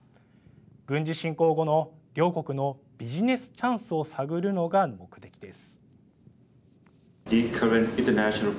軍事侵攻後の両国のビジネスチャンスを探るのが目的です。